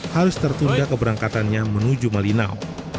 harus tertunda keberangkatannya menuju malinau